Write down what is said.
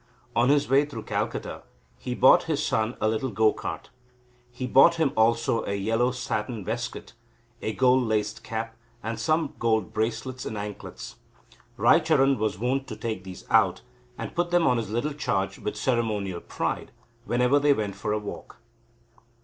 On his way through Calcutta he bought his son a little go cart. He bought him also a yellow satin waistcoat, a gold laced cap, and some gold bracelets and anklets. Raicharan was wont to take these out, and put them on his little charge with ceremonial pride, whenever they went for a walk.